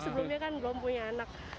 sebelumnya terus pero lupakan